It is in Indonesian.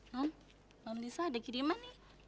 mam mam lisa ada kiriman nih